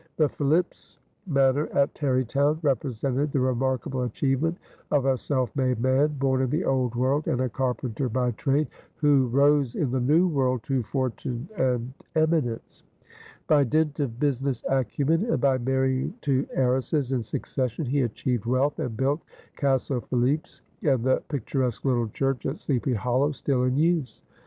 The Philipse Manor, at Tarrytown, represented the remarkable achievement of a self made man, born in the Old World and a carpenter by trade, who rose in the New World to fortune and eminence. By dint of business acumen and by marrying two heiresses in succession he achieved wealth, and built "Castle Philipse" and the picturesque little church at Sleepy Hollow, still in use.